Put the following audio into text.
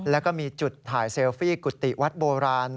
แล้วก็มีจุดถ่ายเซลฟี่กุฏิวัดโบราณ